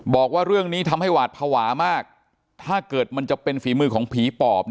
บอกว่าเรื่องนี้ทำให้หวาดภาวะมากถ้าเกิดมันจะเป็นฝีมือของผีปอบ